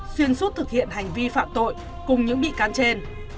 xuyên suốt thực hiện hành vi phạm tội cùng những bị can trên